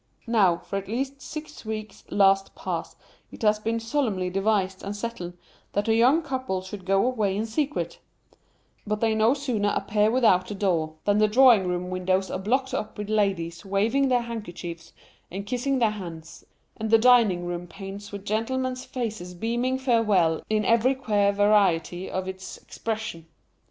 Now, for at least six weeks last past it has been solemnly devised and settled that the young couple should go away in secret; but they no sooner appear without the door than the drawing room windows are blocked up with ladies waving their handkerchiefs and kissing their hands, and the dining room panes with gentlemen's faces beaming farewell in every queer variety of its expression.